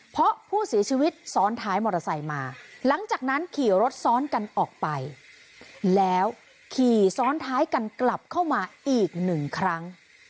เพราะผู้เสียชีวิตซ้อนท้ายมอเตอร์ไซค์มาหลังจากนั้นขี่รถซ้อนกันออกไปแล้วขี่ซ้อนท้ายกันกลับเข้ามาอีกหนึ่งครั้ง